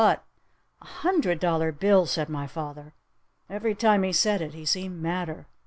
But " "A hundred dollar bill!" said my father. Every time he said it he seemed madder.